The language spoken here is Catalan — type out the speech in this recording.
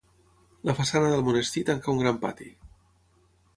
La façana del monestir tanca un gran pati.